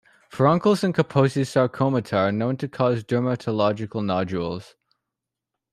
Furuncles and Kaposi's sarcomata are known to cause dermatological nodules.